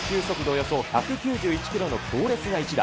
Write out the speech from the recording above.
およそ１９１キロの強烈な一打。